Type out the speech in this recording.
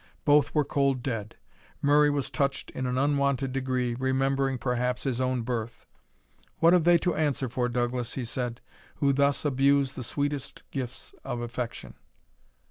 Both were cold dead. Murray was touched in an unwonted degree, remembering, perhaps, his own birth. "What have they to answer for, Douglas," he said, "who thus abuse the sweetest gifts of affection?"